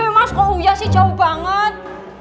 mas kok huya sih jauh banget